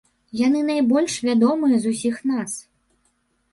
Яны найбольш вядомыя з усіх нас.